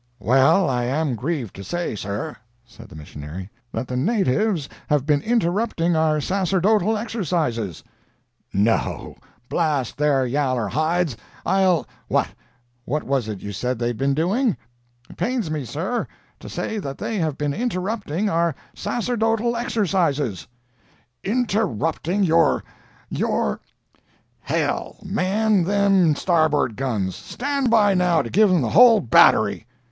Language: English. "Well, I am grieved to say, sir," said the missionary, "that the natives have been interrupting our sacerdotal exercises." "No!—blast their yaller hides. I'll—what—what was it you said they'd been doing?" "It pains me, sir, to say that they have been interrupting our sacerdotal exercises." "Interrupting your—your—h—l! Man them starboard guns! Stand by, now, to give 'em the whole battery!"